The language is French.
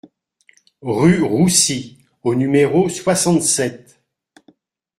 Rue Roussy au numéro soixante-sept